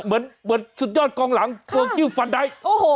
เหมือนสุดยอดกองหลังตัวกิ้วฟันได้โอ้โห